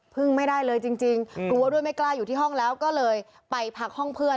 ไม่ได้เลยจริงกลัวด้วยไม่กล้าอยู่ที่ห้องแล้วก็เลยไปพักห้องเพื่อน